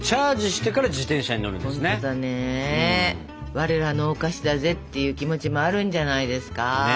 「我らのお菓子だぜ」っていう気持ちもあるんじゃないですか？